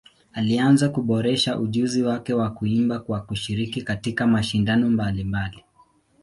Alianza kuboresha ujuzi wake wa kuimba kwa kushiriki katika mashindano mbalimbali.